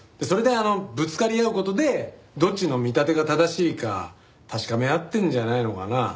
それでぶつかり合う事でどっちの見立てが正しいか確かめ合ってるんじゃないのかな。